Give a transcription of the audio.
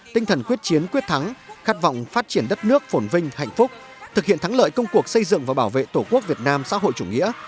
tinh thần quyết chiến quyết thắng khát vọng phát triển đất nước phổn vinh hạnh phúc thực hiện thắng lợi công cuộc xây dựng và bảo vệ tổ quốc việt nam xã hội chủ nghĩa